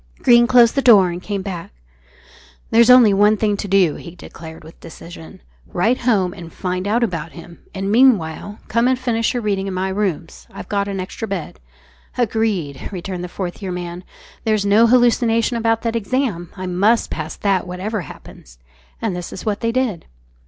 Greene closed the door and came back. "There's only one thing to do," he declared with decision. "Write home and find out about him, and meanwhile come and finish your reading in my rooms. I've got an extra bed." "Agreed," returned the Fourth Year Man; "there's no hallucination about that exam; I must pass that whatever happens." And this was what they did.